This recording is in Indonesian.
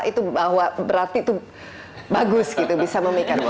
itu berarti itu bagus gitu bisa memikirkan